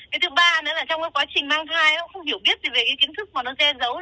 cái thứ ba nữa là trong cái quá trình mang thai nó cũng không hiểu biết gì về cái kiến thức mà nó gie dấu